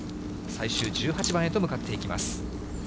最終１８番へと向かっていきます。